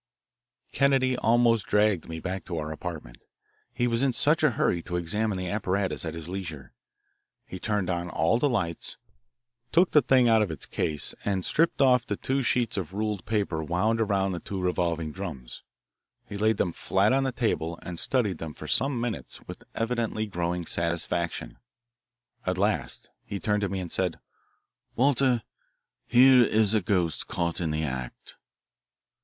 Kennedy almost dragged me back to our apartment, he was in such a hurry to examine the apparatus at his leisure. He turned on all the lights, took the thing out of its case, and stripped off the two sheets of ruled paper wound around the two revolving drums. He laid them flat on the table and studied them for some minutes with evidently growing satisfaction. At last he turned to me and said, "Walter, here is a ghost caught in the act."